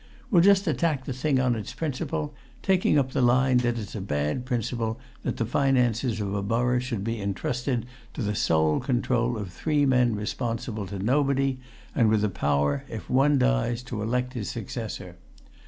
We'll just attack the thing on its principle, taking up the line that it's a bad principle that the finances of a borough should be entrusted to the sole control of three men responsible to nobody and with the power, if one dies, to elect his successor.